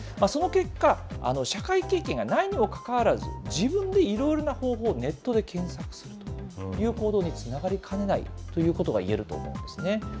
その結果、社会経験がないにもかかわらず、自分でいろいろな方法をネットで検索するという行動につながりかねないということが言えると思うんですね。